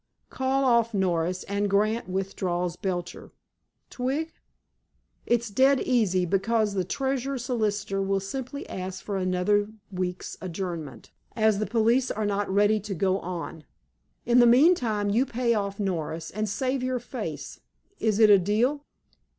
Call off Norris, and Grant withdraws Belcher. Twig? It's dead easy, because the Treasury solicitor will simply ask for another week's adjournment, as the police are not ready to go on. In the meantime, you pay off Norris, and save your face. Is it a deal?"